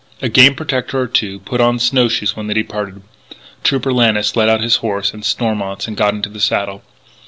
A Game Protector or two put on snow shoes when they departed. Trooper Lannis led out his horse and Stormont's, and got into the saddle.